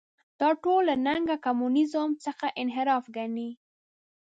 دا ټول له نګه کمونیزم څخه انحراف ګڼي.